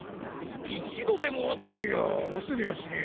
一度でも会ってりゃ忘れやしねえ。